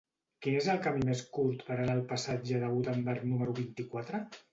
Quin és el camí més curt per anar al passatge de Gutenberg número vint-i-quatre?